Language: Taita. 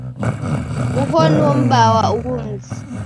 Oho nuo m'baa wa ughu mzi?